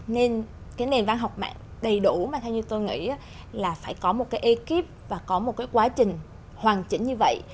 nên cái nền văn học mạng đầy đủ mà theo như tôi nghĩ là phải có một cái ekip và có một cái quá trình hoàn chỉnh như vậy